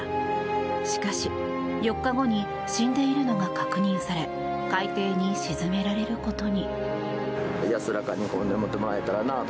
しかし４日後に死んでいるのが確認され海底に沈められることに。